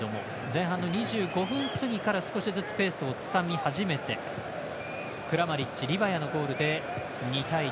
前半の２５分過ぎから少しずつペースをつかみ始めてクラマリッチ、リバヤのゴールで２対１。